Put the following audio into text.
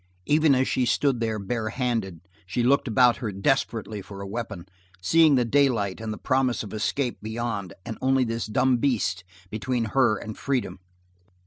Even as she stood there barehanded she looked about her desperately for a weapon, seeing the daylight and the promise of escape beyond and only this dumb beast between her and freedom.